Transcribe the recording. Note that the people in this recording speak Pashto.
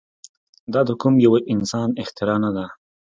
دا د کوم يوه انسان اختراع نه ده.